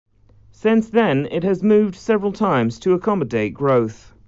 Since then it has moved several times to accommodate growth.